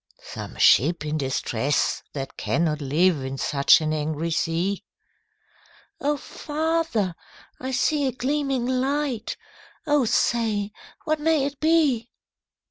'Some ship in distress that cannot live In such an angry sea!' 'O father! I see a gleaming light, O say, what may it be?'